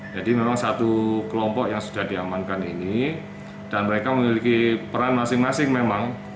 jadi memang satu kelompok yang sudah diamankan ini dan mereka memiliki peran masing masing memang